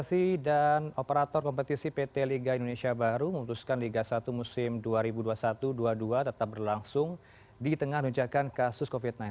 pssi dan operator kompetisi pt liga indonesia baru memutuskan liga satu musim dua ribu dua puluh satu dua ribu dua puluh dua tetap berlangsung di tengah nujakan kasus covid sembilan belas